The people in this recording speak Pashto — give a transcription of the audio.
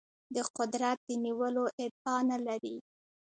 د قدرت د نیولو ادعا نه لري.